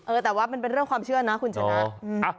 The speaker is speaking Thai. แต่ว่ามันเป็นเรื่องความเชื่อนะคุณชนะ